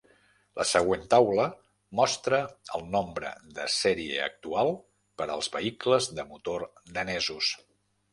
La següent taula mostra el nombre de sèrie actual per als vehicles de motor danesos.